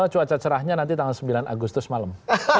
cuaca cerahnya nanti tanggal sembilan agustus malam